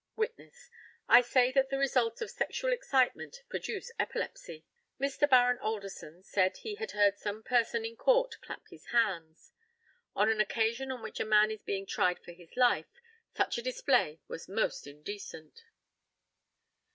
Witness: I say that the results of sexual excitement produce epilepsy. Mr. Baron ALDERSON said he had heard some person in court clap his hands. On an occasion on which a man was being tried for his life such a display was most indecent.